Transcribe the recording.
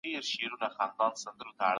ایا پولیس مجرم نیسي؟